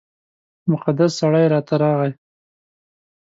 مقدس سړی راته راغی.